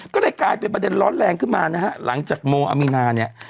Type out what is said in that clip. ก็เลยกลายเป็นประเด็นร้อนแรงขึ้นมานะฮะหลังจากโมอามีนาเนี่ย